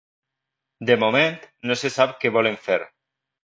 De moment, no se sap què volen fer.